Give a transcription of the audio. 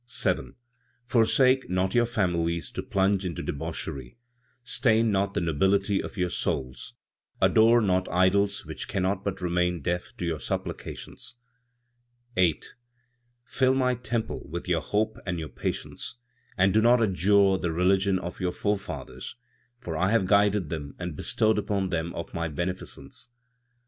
7. "Forsake not your families to plunge into debauchery; stain not the nobility of your souls; adore not idols which cannot but remain deaf to your supplications. 8. "Fill my temple with your hope and your patience, and do not adjure the religion of your forefathers, for I have guided them and bestowed upon them of my beneficence.